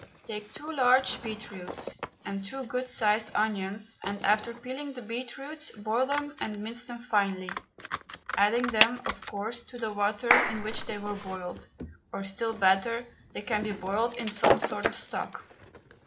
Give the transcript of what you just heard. Take two large beetroots and two good sized onions, and after peeling the beetroots boil them and mince them finely, adding them, of course, to the water in which they were boiled, or still better, they can be boiled in some sort of stock.